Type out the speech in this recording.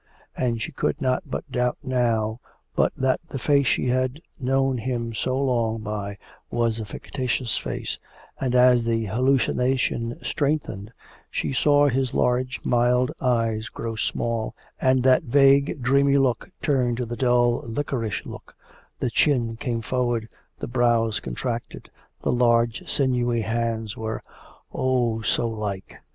And she could not but doubt now but that the face she had known him so long by was a fictitious face, and as the hallucination strengthened, she saw his large mild eyes grow small, and that vague, dreamy look turn to the dull, liquorish look, the chin came forward, the brows contracted... the large sinewy hands were, oh, so like!